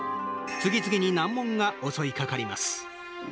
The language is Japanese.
次々に難問が襲いかかります。